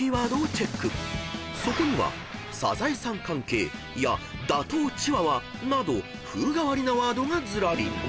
［そこには「サザエさん関係」や「打倒‼チワワ」など風変わりなワードがずらり］